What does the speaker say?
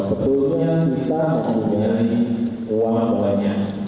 ada yang dikarenakan